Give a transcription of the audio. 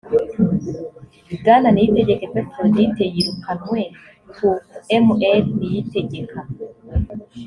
bwana niyitegeka epaphrodite yirukanwe ku mr niyitegeka